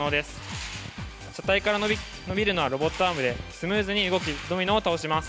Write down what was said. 車体から伸びるのはロボットアームでスムーズに動きドミノを倒します。